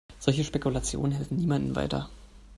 Solche Spekulationen helfen niemandem weiter.